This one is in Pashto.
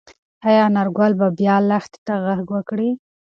ايا انارګل به بیا لښتې ته غږ وکړي؟